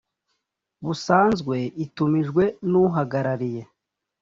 busanzwe itumijwe n uhagarariye